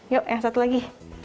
yuk yang satu lagi